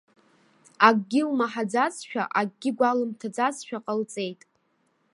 Акгьы лмаҳаӡазшәа, акгьы гәалымҭаӡазшәа ҟалҵеит.